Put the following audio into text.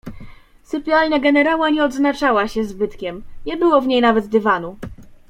"Sypialnia generała nie odznaczała się zbytkiem; nie było w niej nawet dywanu."